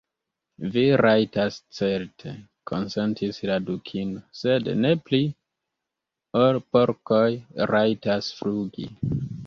"Vi rajtas certe," konsentis la Dukino, "sed ne pli ol porkoj rajtas flugi.